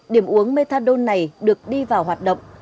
điểm uống methadone này được đi vào hoạt động